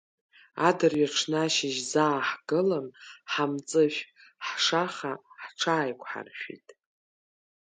Адырҩаҽны ашьыжь заа ҳгылан, ҳамҵышә, ҳшаха ҳҽааиқәҳаршәеит.